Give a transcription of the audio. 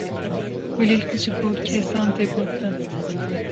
kulîlk ji bo kesan tê gotin.